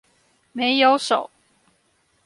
沒有手